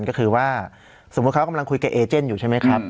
ก็คือว่าสมมุติเขากำลังคุยกับเอเจนอยู่ใช่ไหมครับ